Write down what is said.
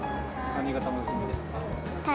何が楽しみですか？